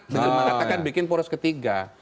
beliau mengatakan bikin poros ketiga